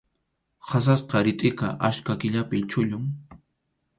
Qasasqa ritʼiqa achka killapi chullun.